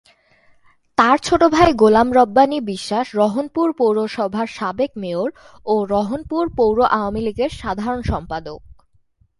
তার ছোট ভাই গোলাম রাব্বানী বিশ্বাস রহনপুর পৌরসভার সাবেক মেয়র ও রহনপুর পৌর আওয়ামীলীগের সাধারণ সম্পাদক।